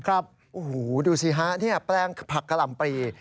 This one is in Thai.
โอ้โหดูสิฮะนี่แปลงผักกะหล่ำปลี